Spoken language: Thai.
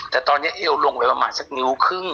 แต่ตอนนี้เอวลงไปประมาณสักนิ้วครึ่ง